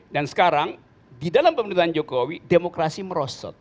dan sekarang di dalam pembentukan jokowi demokrasi merosot